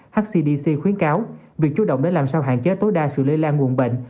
hcdc khuyến cáo việc chú động để làm sao hạn chế tối đa sự lây lan nguồn bệnh